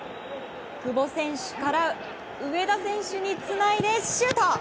久保選手から上田選手につないでシュート。